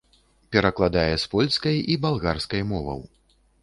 Перакладае з польскай і балгарскай моваў.